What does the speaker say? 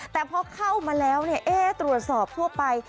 แต่พอเข้ามาแล้วตรวจสอบทั่วไป